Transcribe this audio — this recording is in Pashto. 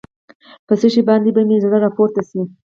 په څه شي باندې به مې زړه راپورته شي.